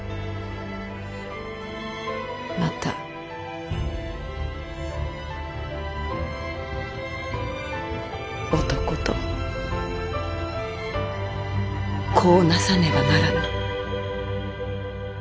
また男と子をなさねばならぬ。